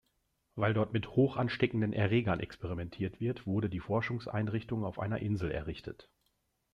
Weil dort mit hochansteckenden Erregern experimentiert wird, wurde die Forschungseinrichtung auf einer Insel errichtet.